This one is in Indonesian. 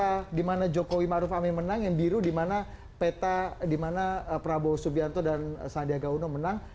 yang merah adalah peta di mana jokowi maruf amin menang yang biru di mana prabowo subianto dan sandiaga uno menang